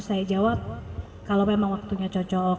saya jawab kalau memang waktunya cocok